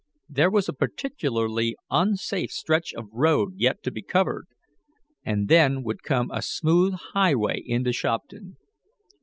There was a particularly unsafe stretch of road yet to be covered, and then would come a smooth highway into Shopton.